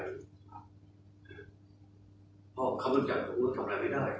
เพราะเขาบอกจากการกดทำอะไรไม่ได้